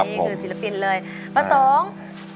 นี่คือศิลปินเลยประสงค์